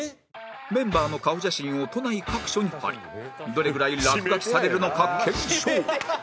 メンバーの顔写真を都内各所に貼りどれぐらい落書きされるのか検証